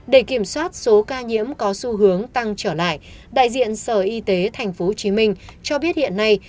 để kiểm soát số ca nhiễm có xu hướng tăng trở lại đại diện sở y tế tp hcm cho biết hiện nay